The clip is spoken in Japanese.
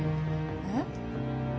えっ？